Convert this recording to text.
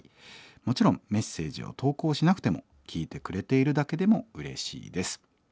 もちろんメッセージを投稿しなくても聴いてくれているだけでもうれしいです。